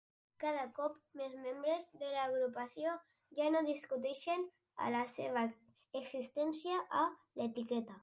Cada cop més membres de l'agrupació ja no discuteixen la seva existència i l'etiqueta.